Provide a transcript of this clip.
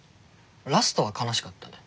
ラストは悲しかったね。